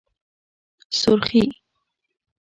💄سورخي